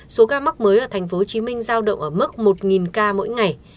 số ca mắc mới ở tp hcm giao động ở mức một ca mỗi ngày